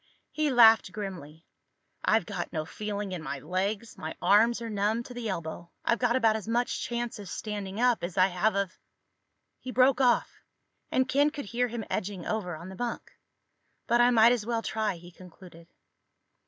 He laughed grimly. "I've got no feeling in my legs. My arms are numb to the elbow. I've got about as much chance of standing up as I have of—" He broke off, and Ken could hear him edging over on the bunk. "But I might as well try," he concluded.